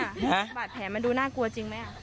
บาดแผลมันดูน่ากลัวจริงไหม